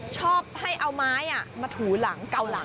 ชอบให้เอาไม้มาถูหลังเก่าหลัง